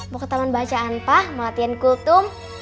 mau ke taman bacaan pak melatiin kultum